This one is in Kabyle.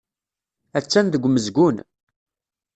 Attan deg umezgun.